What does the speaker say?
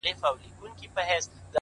سترګي دي هغسي نسه وې- نسه یي ـ یې کړمه-